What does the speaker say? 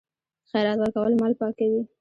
خیرات ورکول مال پاکوي.